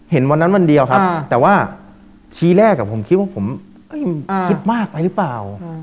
เห็นวันนั้นวันเดียวครับแต่ว่าทีแรกผมคิดว่าผมคิดมากไปหรือเปล่า